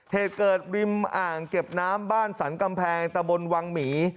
เหตุเกิดริมอ่างเก็บน้ำบ้านสรรกำแพงตะบนวังหมี